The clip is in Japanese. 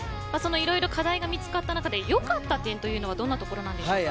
いろいろ課題が見つかった中でよかった点というのはどんなところでしょうか。